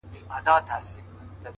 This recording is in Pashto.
• دا متل مو د نیکونو له ټبر دی ,